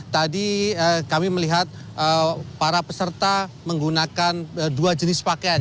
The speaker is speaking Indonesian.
tadi kami melihat para peserta menggunakan dua jenis pakaian